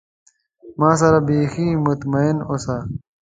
ما سره به بیخي مطمئن اوسی.